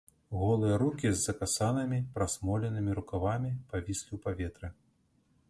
Голыя рукі з закасанымі прасмоленымі рукавамі павіслі ў паветры.